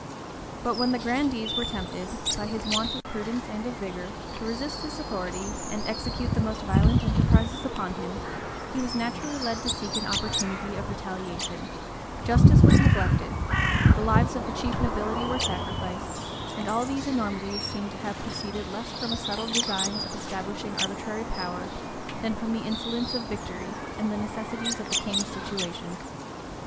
But when the grandees were tempted, by his want of prudence and of vigor, to resist his authority, and execute the most violent enterprises upon him, he was naturally led to seek an opportunity of retaliation: justice was neglected; the lives of the chief nobility were sacrificed; and all these enormities seem to have proceeded less from a settled design of establishing arbitrary power, than from the insolence of victory, and the necessities of the king's situation.